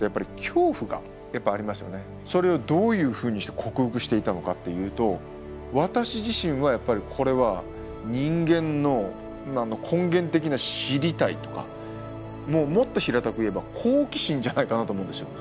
それをどういうふうにして克服していたのかっていうと私自身はやっぱりこれは人間の根源的な知りたいとかもっと平たく言えば好奇心じゃないかなと思うんですよ。